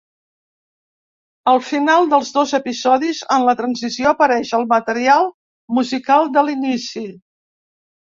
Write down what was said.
Al final dels dos episodis, en la transició, apareix al material musical de l'inici.